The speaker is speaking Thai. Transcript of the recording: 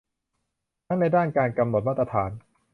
ทั้งในด้านการกำหนดมาตรฐาน